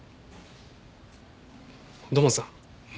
土門さん